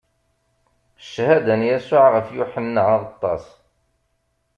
Cchada n Yasuɛ ɣef Yuḥenna Aɣeṭṭaṣ.